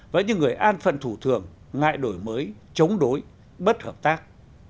và những người an phần thủ thường ngại đổi mới chống đối bất hợp tác